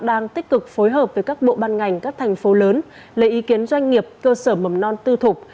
đang tích cực phối hợp với các bộ ban ngành các thành phố lớn lấy ý kiến doanh nghiệp cơ sở mầm non tư thục